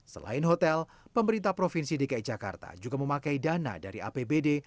selain hotel pemerintah provinsi dki jakarta juga memakai dana dari apbd